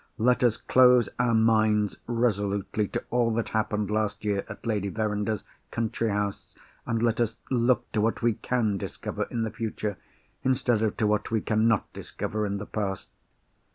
Let us close our minds resolutely to all that happened last year at Lady Verinder's country house; and let us look to what we can discover in the future, instead of to what we can not discover in the past."